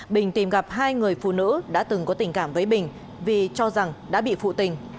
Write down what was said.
bình tìm gặp hai người phụ nữ đã từng có tình cảm với bình vì cho rằng đã bị phụ tình